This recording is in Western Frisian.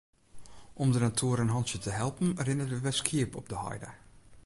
Om de natoer in hantsje te helpen rinne der wer skiep op de heide.